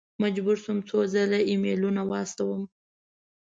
مجبور شوم څو ځل ایمیلونه واستوم.